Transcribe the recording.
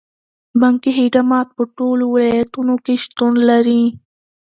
بانکي خدمات په ټولو ولایتونو کې شتون لري.